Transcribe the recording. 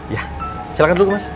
iya silahkan dulu mas